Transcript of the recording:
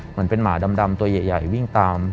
เหมือนเป็นหมาดำตัวใหญ่วิ่งตาม